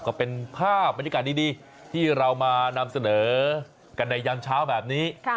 ก็เป็นภาพบรรยากาศดีที่เรามานำเสนอกันในยามเช้าแบบนี้